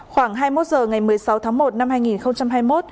khoảng hai mươi một h ngày một mươi sáu tháng một năm hai nghìn hai mươi một